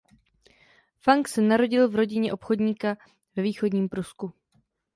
Funk se narodil v rodině obchodníka ve Východním Prusku.